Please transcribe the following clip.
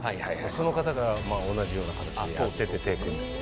その方が同じような形でやってて手組んでて。